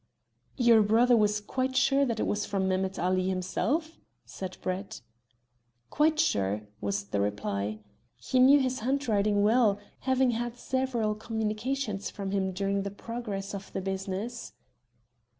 "Your brother was quite sure that it was from Mehemet Ali himself?" said Brett. "Quite sure," was the reply. "He knew his handwriting well, having had several communications from him during the progress of the business."